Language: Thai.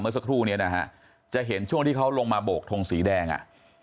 สักครู่นี้นะฮะจะเห็นช่วงที่เขาลงมาโบกทงสีแดงอ่ะ